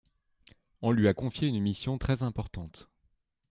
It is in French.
On lui a confié une mission très importante.